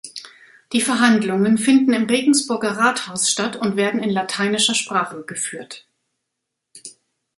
Die Verhandlungen finden im Regensburger Rathaus statt und werden in lateinischer Sprache geführt.